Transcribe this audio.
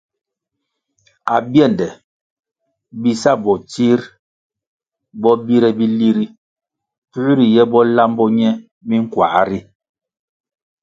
Abiende bi sa botsir bo bire bili ri puer riye bo lambo ñe minkua ri.